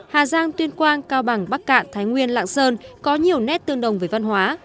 hà giang tuyên quang cao bằng bắc cạn thái nguyên lạng sơn có nhiều nét tương đồng với văn hóa